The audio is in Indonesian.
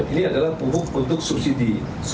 ini adalah pupuk untuk subsidi